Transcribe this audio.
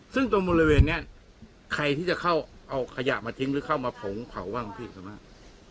ซึ่งตรงบริเวณนี้ใครที่จะเข้าเอาขยะมาทิ้งหรือเข้ามาผงเผาบ้างพี่สามารถ